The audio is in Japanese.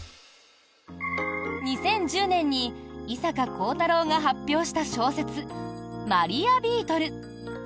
２０１０年に伊坂幸太郎が発表した小説「マリアビートル」。